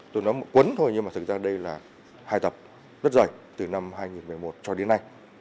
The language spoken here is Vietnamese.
tôi nói một cuốn thôi nhưng mà thực ra đây là hai tập rất dày từ năm hai nghìn một mươi một cho đến nay